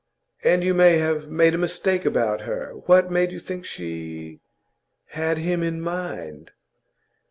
'And you may have made a mistake about her. What made you think she had him in mind?